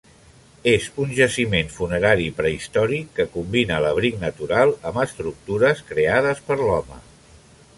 És un jaciment funerari prehistòric que combina l'abric natural amb estructures creades per l'home.